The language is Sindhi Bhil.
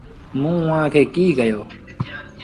موٚنٚ اُئآݩٚ کي ڪيٚ ڪهيو۔